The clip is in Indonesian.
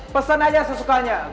pesen aja sesukanya